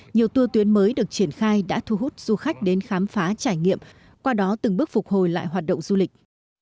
nhiều tour tuyến mới được triển khai đã thu hút du khách đến khám phá trải nghiệm qua đó từng bước phục hồi lại hoạt động du lịch